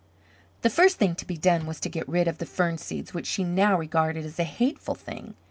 The first thing to be done was to get rid of the fern seed which she now regarded as a hateful thing.